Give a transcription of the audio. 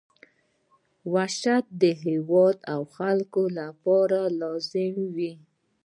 دا وحشت د هېواد او خلکو لپاره لازم وو.